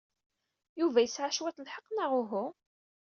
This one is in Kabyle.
Yuba yesɛa cwiṭ lḥeqq, neɣ uhu?